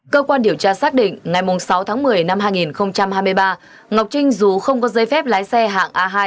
cơ quan điều tra xác định ngày sáu một mươi hai nghìn hai mươi ba ngọc trinh dù không có giới phép lái xe hạng a hai